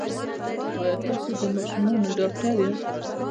ایا تاسو د ماشومانو ډاکټر یاست؟